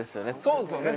そうですよね。